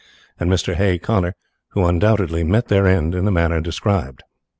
and Mr. Hay Connor, who undoubtedly met their end in the manner described.